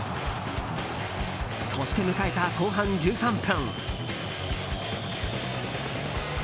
そして迎えた後半１３分。